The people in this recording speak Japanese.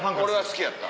好きやった。